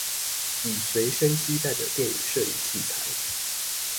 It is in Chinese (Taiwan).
以隨身攜帶的電影攝影器材